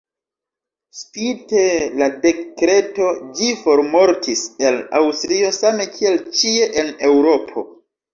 Spite la dekreto, ĝi formortis el Aŭstrio same kiel ĉie en Eŭropo.